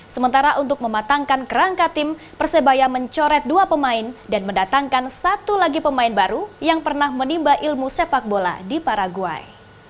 sementara untuk mematangkan kerangka tim persebaya mencoret dua pemain dan mendatangkan satu lagi pemain baru yang pernah menimba ilmu sepak bola di paraguay